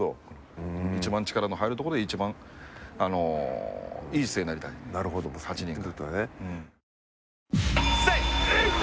一番、力の入るところで一番いい姿勢になりたい、８人が。